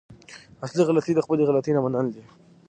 اصلي غلطي د خپلې غلطي نه منل دي.